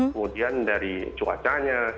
kemudian dari cuacanya